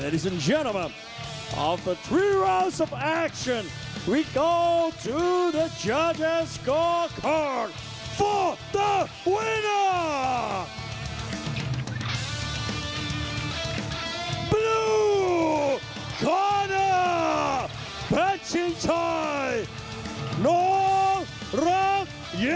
แล้ววางในแข่งขวาแล้วต่อยตามเข้าไปพยายามจะเข้าในครับ